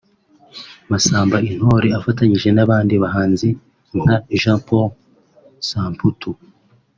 Masamba Intore afatanije n’abandi bahanzi nka Jean Paul Samputu